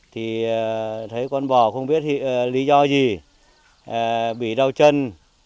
thì thấy con bò không biết lý do gì bị đau chân